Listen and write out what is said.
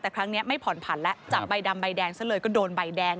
แต่ครั้งนี้ไม่ผ่อนผันแล้วจับใบดำใบแดงซะเลยก็โดนใบแดง